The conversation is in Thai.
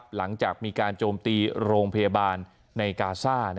หลังจากมีการโจมตีโรงพยาบาลในกาซ่า